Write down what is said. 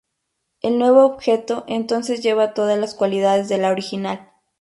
El nuevo objeto entonces lleva todas las cualidades de la original.